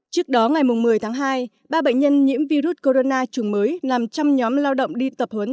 trước đó ngày một mươi tháng hai ba bệnh nhân nhiễm virus corona chủng mới làm trăm nhóm lao động đi tập huấn